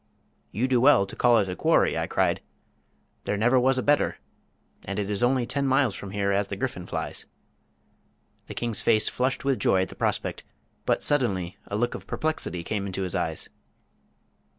"You do well to call it a quarry," I cried. "There never was a better and it is only ten miles from here as the griffin flies." The king's face flushed with joy at the prospect, but suddenly a look of perplexity came into his eyes.